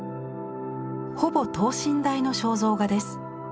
ほぼ等身大の肖像画です。